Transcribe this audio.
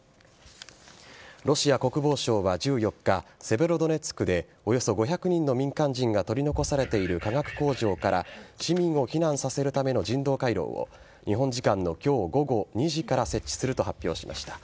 ロシア国防省は１４日セベロドネツクでおよそ５００人の民間人が取り残されている化学工場から市民を避難させる人道回廊を日本時間の今日午後２時から設置すると発表しました。